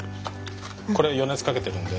これ予熱かけてるんで。